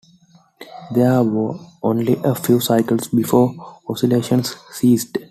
There were only a few cycles before oscillations ceased.